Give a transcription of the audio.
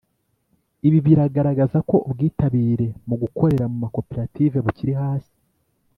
Ibi biragaragaza ko ubwitabire mu gukorera mu makoperative bukiri hasi